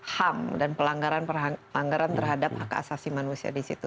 ham dan pelanggaran pelanggaran terhadap akasasi manusia di situ